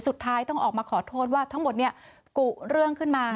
สุดท้ายต้องออกมาขอโทษว่าทั้งหมดเนี่ยกุเรื่องขึ้นมา